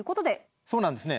そうなんですね。